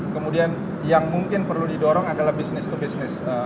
kemudian yang mungkin perlu didorong adalah bisnis to bisnis